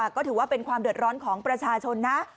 ก็ถือว่าเป็นความเดือดร้อนของประชาชนนะ